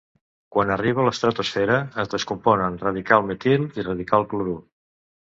Quan arriba a l’estratosfera es descompon en radical metil i radical clorur.